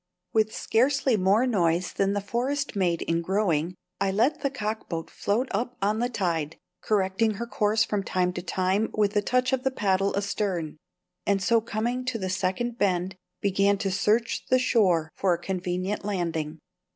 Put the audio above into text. With scarcely more noise than the forest made in growing, I let the cockboat float up on the tide, correcting her course from time to time with a touch of the paddle astern; and so coming to the second bend, began to search the shore for a convenient landing.